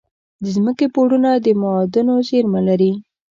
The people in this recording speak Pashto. د ځمکې پوړونه د معادنو زیرمه لري.